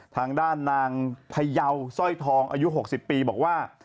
ทางด้านนางพยาวสร้อยทองอายุ๖๐ปีบอกว่า